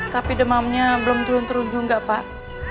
tapi demamnya belum turun turun juga pak